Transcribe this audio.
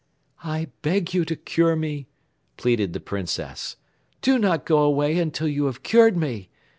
"I beg you to cure me," pleaded the Princess. "Do not go away until you have cured me.